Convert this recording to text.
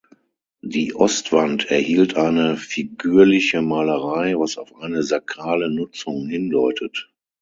Die Ostwand erhielt eine figürliche Malerei, was auf eine sakrale Nutzung hindeutet.